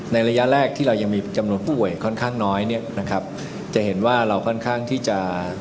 ระยะแรกที่เรายังมีจำนวนผู้ป่วยค่อนข้างน้อยเนี่ยนะครับจะเห็นว่าเราค่อนข้างที่จะ